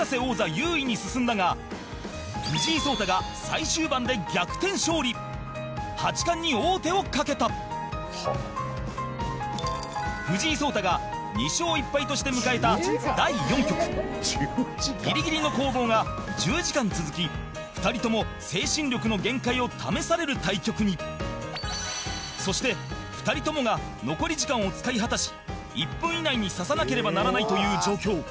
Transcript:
優位に進んだが藤井聡太が最終盤で逆転勝利八冠に王手をかけた藤井聡太が２勝１敗として迎えた第４局ギリギリの攻防が１０時間続き２人とも精神力の限界を試される対局にそして、２人ともが残り時間を使い果たし１分以内に指さなければならないという状況